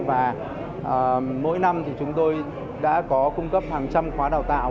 và mỗi năm thì chúng tôi đã có cung cấp hàng trăm khóa đào tạo